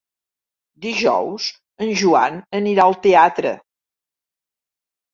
Dijous en Joan anirà al teatre.